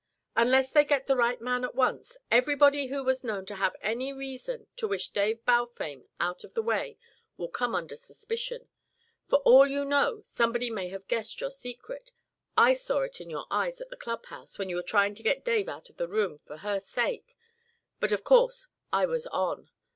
"Unless they get the right man at once, everybody who was known to have any reason to wish Dave Balfame out of the way will come under suspicion. For all you know, somebody may have guessed your secret; I saw it in your eyes at the clubhouse when you were trying to get Dave out of the room for her sake; but of course I was 'on.'